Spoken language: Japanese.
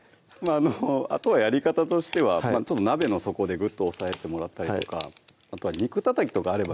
あとはやり方としては鍋の底でグッと押さえてもらったりとかあとは肉たたきとかあればね